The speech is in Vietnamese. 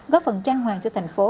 góp phần trang hoàng cho thành phố